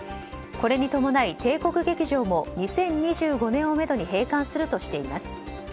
これに伴い帝国劇場も２０２５年をめどに閉館するとしています。